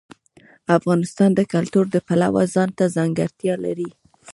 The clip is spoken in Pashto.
افغانستان د کلتور د پلوه ځانته ځانګړتیا لري.